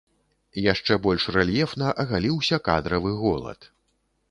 Яшчэ больш рэльефна агаліўся кадравы голад.